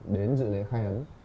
đến dự lý khai ấn